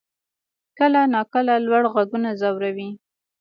کله ناکله لوړ غږونه ځوروي.